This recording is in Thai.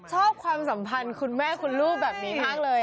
ความสัมพันธ์คุณแม่คุณลูกแบบนี้มากเลย